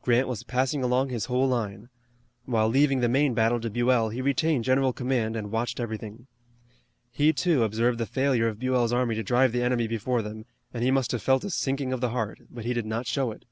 Grant was passing along his whole line. While leaving the main battle to Buell he retained general command and watched everything. He, too, observed the failure of Buell's army to drive the enemy before them, and he must have felt a sinking of the heart, but he did not show it.